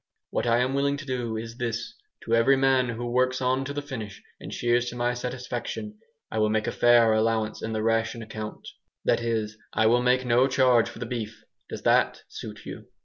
What I am willing to do is this: to every man who works on till the finish and shears to my satisfaction, I will make a fair allowance in the ration account. That is, I will make no charge for the beef. Does that suit you?"